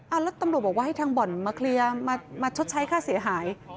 แล้วตำรวจบอกว่าให้ทางบ่อนมาเคลียร์มาชดใช้ค่าเสียหาย